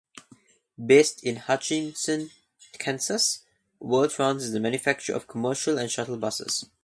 Based in Hutchinson, Kansas, World Trans is a manufacturer of commercial and shuttle buses.